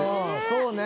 そうね。